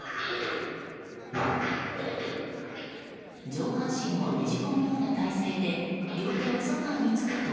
上半身をねじ込むような体勢で両手をソファにつくと。